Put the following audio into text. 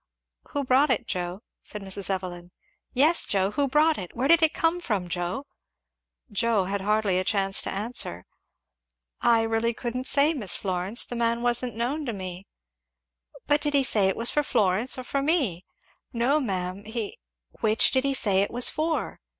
"Who brought it, Joe?" said Mrs. Evelyn. "Yes, Joe, who brought it? where did it come from, Joe?" Joe had hardly a chance to answer. "I really couldn't say, Miss Florence, the man wasn't known to me." "But did he say it was for Florence or for me?" "No ma'am he" "Which did he say it was for?"